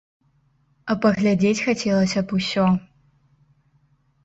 А паглядзець хацелася б усё!